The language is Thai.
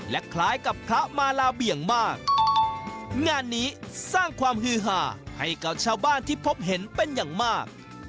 และคล้ายกับพระมาลาเบี่ยงมากงานนี้สร้างความฮือหาให้กับชาวบ้านที่พบเห็นเป็นอย่างมาก